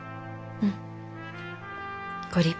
うん。